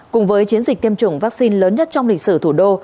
cùng với chiến dịch tiêm chủng vaccine lớn nhất trong lịch sử thủ đô